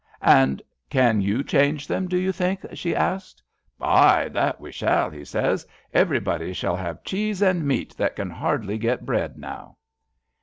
* And can you change them, do you think ?' she says. ' Aye, that we shall,' he says. * Everyone shall have cheese and meat that can hardly get bread now.'